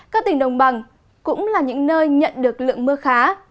các tỉnh đồng bằng cũng là những nơi nhận được lượng mưa khá